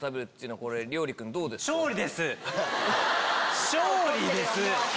勝利です！